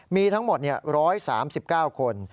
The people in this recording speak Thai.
มีทั้งหมด๑๓๙คน